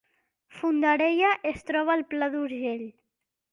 Fondarella es troba al Pla d’Urgell